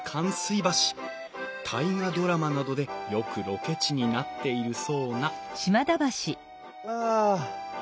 「大河ドラマ」などでよくロケ地になっているそうなあ。